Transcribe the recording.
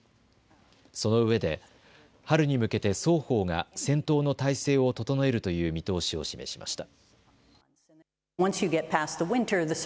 そのうえで、春に向けて双方が戦闘の態勢を整えるという見通しを示しました。